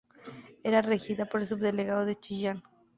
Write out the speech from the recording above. Era regida por el Subdelegado de Chillán.